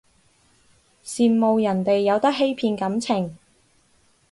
羨慕人哋有得欺騙感情